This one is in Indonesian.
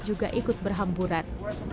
juga ikut berhamburan